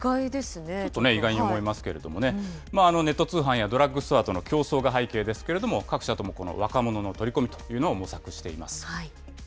ちょっと意外に思いますけれどもね、ネット通販やドラッグストアとの競争が背景ですけれども、各社ともこの若者の取り込みというのを模索しています。